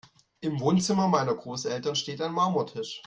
Im Wohnzimmer meiner Großeltern steht ein Marmortisch.